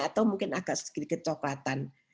atau mungkin agak sedikit sedikit coklatan